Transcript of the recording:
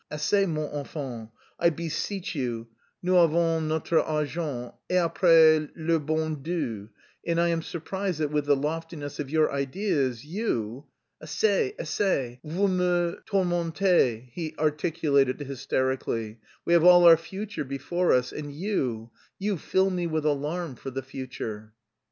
"Assez, mon enfant, I beseech you, nous avons notre argent et après, le bon Dieu. And I am surprised that, with the loftiness of your ideas, you... Assez, assez, vous me tourmentez," he articulated hysterically, "we have all our future before us, and you... you fill me with alarm for the future."